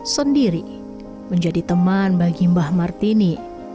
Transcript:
sendiri menjadi teman bagi mbah martini